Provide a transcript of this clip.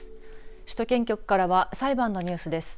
首都圏局からは裁判のニュースです。